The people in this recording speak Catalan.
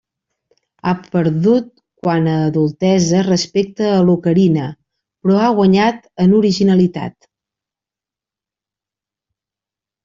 Ha perdut quant a adultesa respecte a l'Ocarina, però ha guanyat en originalitat.